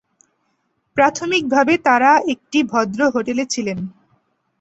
প্রাথমিকভাবে তাঁরা একটি ভদ্র হোটেলে ছিলেন।